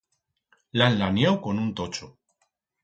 L'han laniau con un tocho.